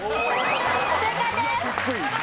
正解です。